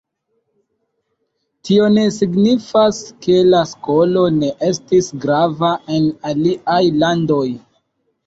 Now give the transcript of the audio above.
Tio ne signifas, ke la skolo ne estis grava en aliaj landoj.